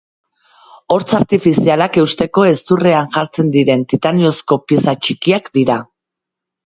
Hortz artifizialak eusteko hezurrean jartzen diren titaniozko pieza txikiak dira.